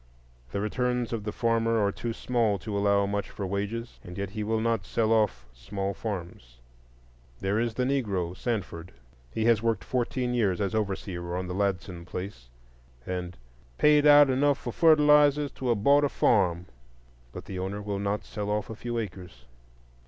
The returns of the farmer are too small to allow much for wages, and yet he will not sell off small farms. There is the Negro Sanford; he has worked fourteen years as overseer on the Ladson place, and "paid out enough for fertilizers to have bought a farm," but the owner will not sell off a few acres.